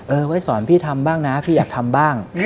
ไว้สอนพี่ทำบ้างนะพี่อยากทำบ้าง